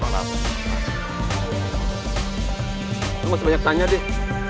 lo gak sebanyak tanya deh